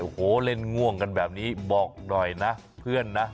โอ้โหเล่นง่วงกันแบบนี้บอกหน่อยนะเพื่อนนะ